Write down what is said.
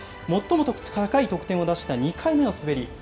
最も高い得点を出した２回目の滑り。